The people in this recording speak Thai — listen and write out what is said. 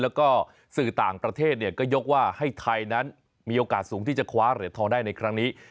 แล้วก็สื่อต่างประเทศก็ยกว่าให้ไทยนั้นมีโอกาสสูงที่จะคว้าเหรียญทองได้ในครั้งนี้